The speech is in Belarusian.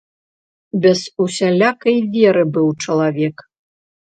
Без усялякай веры быў чалавек.